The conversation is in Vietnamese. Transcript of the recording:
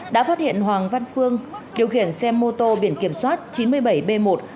đã phát hiện hoàng văn phương điều khiển xe mô tô biển kiểm soát chín mươi bảy b một trăm linh nghìn sáu trăm linh sáu